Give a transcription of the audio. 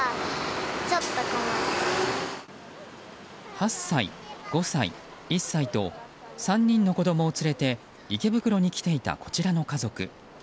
８歳、５歳、１歳と３人の子供を連れて池袋に来ていたこちらの家族。